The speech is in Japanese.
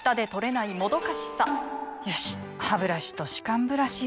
よしハブラシと歯間ブラシでと。